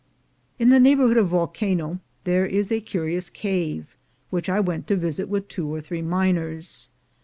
In the neighborhood of Volcano there is a curious cave, which I went to visit with two or three miners.